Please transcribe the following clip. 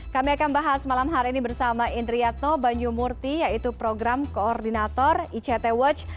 kami akan bahas malam hari ini bersama indriyatno banyumurti yaitu program koordinator ict watch